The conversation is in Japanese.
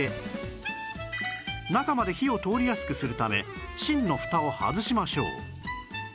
中まで火を通りやすくするため芯のフタを外しましょう